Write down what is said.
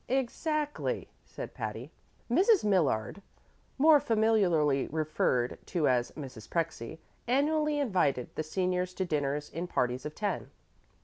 "Exactly," said Patty. Mrs. Millard more familiarly referred to as Mrs. Prexy annually invited the seniors to dinner in parties of ten.